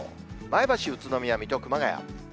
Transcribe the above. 前橋、宇都宮、水戸、熊谷。